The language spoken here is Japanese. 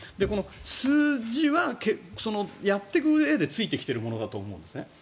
数字はやっていくうえでついてきてるものだと思うんですね。